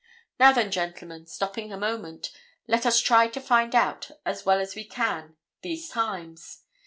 Now, then, gentlemen, stopping a moment, let us try to find out as well as we can these times.